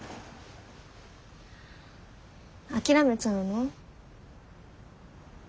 諦めちゃうの？